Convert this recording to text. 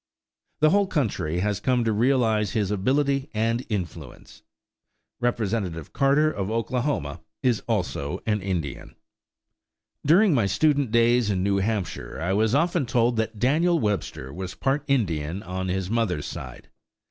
The whole country has come to realize his ability and influence. Representative Carter of Oklahoma is also an Indian. During my student days in New Hampshire I was often told that Daniel Webster was part Indian on his mother's side.